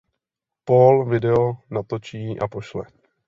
Paul video natočí a pošle.